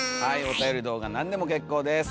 おたより動画何でも結構です。